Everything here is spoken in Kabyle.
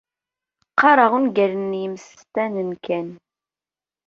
Qqareɣ ungalen n yemsestanen kan.